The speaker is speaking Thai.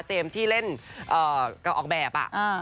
เจมส์ที่เล่นออกแบบ